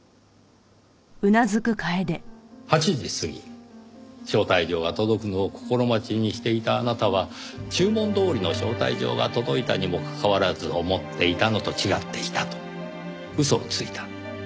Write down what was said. ８時過ぎ招待状が届くのを心待ちにしていたあなたは注文どおりの招待状が届いたにもかかわらず思っていたのと違っていたと嘘をついた。